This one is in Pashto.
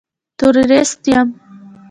تورېست یم.